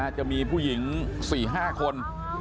จะมีผู้หญิง๔๕คน